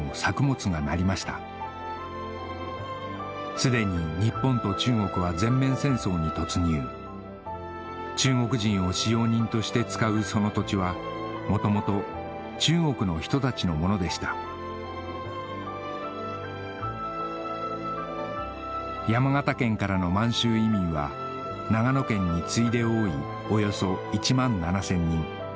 すでに日本と中国は全面戦争に突入中国人を使用人として使うその土地は元々中国の人たちのものでした山形県からの満州移民は長野県に次いで多いおよそ１万７０００人